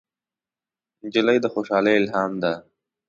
نجلۍ د خوشحالۍ الهام ده.